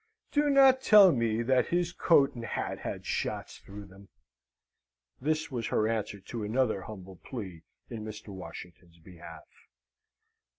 Do not tell me that his coat and hat had shots through them! (This was her answer to another humble plea in Mr. Washington's behalf.)